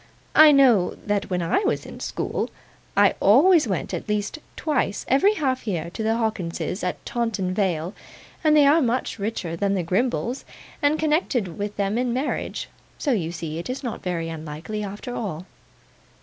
'I know that when I was at school, I always went at least twice every half year to the Hawkinses at Taunton Vale, and they are much richer than the Grimbles, and connected with them in marriage; so you see it's not so very unlikely, after all.